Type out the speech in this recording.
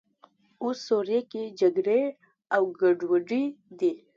اوس سوریه کې جګړې او ګډوډۍ دي.